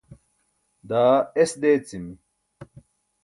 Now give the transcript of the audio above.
daa es deecimi